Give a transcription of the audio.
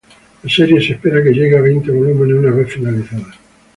La serie se espera que llegue a veinte volúmenes una vez finalizada.